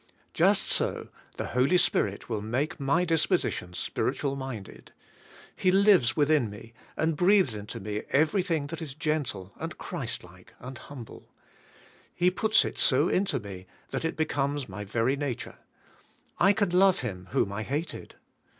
Just so the Holy Spirit will make my disposition spiritual minded. He lives within me, and breathes into me everything that is gentle and Christ like and humble. He puts it so into me that it becomes my very nature. I can love him whom I hated.